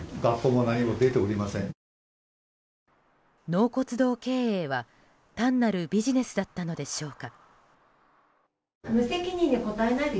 納骨堂経営は、単なるビジネスだったのでしょうか。